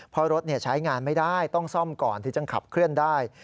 เพราะรถใช้งานไม่ได้ต้องซ่อมก่อนที่จะขับเคลื่อนได้